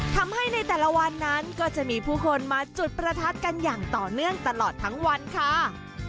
ทำให้ในแต่ละวันนั้นก็จะมีผู้คนมาจุดประทัดกันอย่างต่อเนื่องตลอดทั้งวันค่ะ